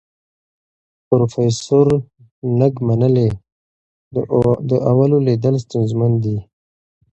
پروفیسور نګ منلې، د اولو لیدل ستونزمن دي.